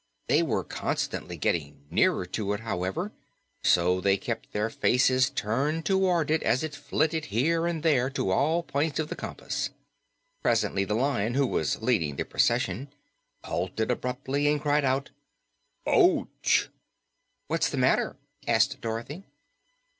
They were constantly getting nearer to it, however, so they kept their faces turned toward it as it flitted here and there to all points of the compass. Presently the Lion, who was leading the procession, halted abruptly and cried out, "Ouch!" "What's the matter?" asked Dorothy.